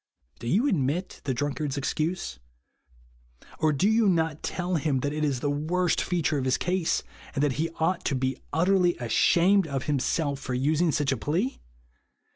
Do you admit the drunkard's excuse ? Or do you not tell him that it is the worst feature of his case, and that he ought to be utterly ashamed of himself for using such a plea